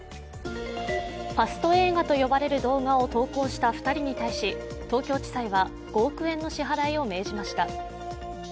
ファスト映画と呼ばれる動画を投稿した２人に対し東京地裁は５億円の支払いを命じました。